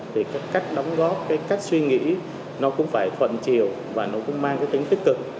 thì cái cách đóng góp cái cách suy nghĩ nó cũng phải thuận chiều và nó cũng mang cái tính tích cực